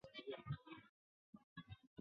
巴莫崖豆藤